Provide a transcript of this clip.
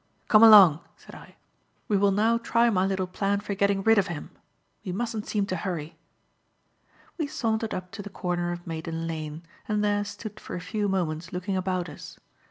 "Come along," said I. "We will now try my little plan for getting rid of him. We mustn't seem to hurry." We sauntered up to the corner of Maiden Lane and there stood for a few moments looking about us.